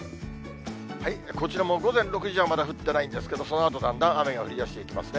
こちらも午前６時はまだ降ってないんですけど、そのあとだんだん雨が降りだしていきますね。